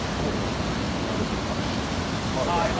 今どきのカメラだから。